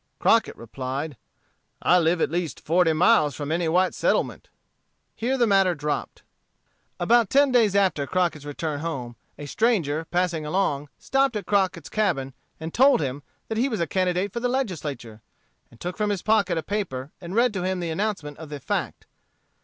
Crockett replied, "I live at least forty miles from any white settlement." Here the matter dropped. About ten days after Crockett's return home, a stranger, passing along, stopped at Crockett's cabin and told him that he was a candidate for Legislature, and took from his pocket a paper, and read to him the announcement of the fact.